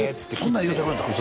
そんなん言うてくれたん？